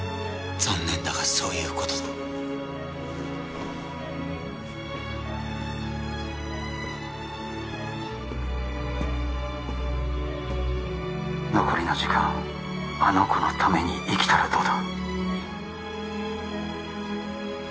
残念だがそういうことだ残りの時間あの子のために生きたらどうだ？